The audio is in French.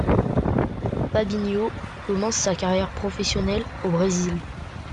Fabinho commence sa carrière professionnelle au Brésil.